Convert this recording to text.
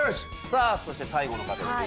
さあそして最後の方です。